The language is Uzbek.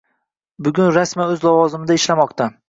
Bugun rasman o‘z lavozimida ishlamoqda.